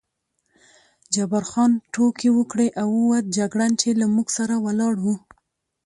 جبار خان ټوکې وکړې او ووت، جګړن چې له موږ سره ولاړ و.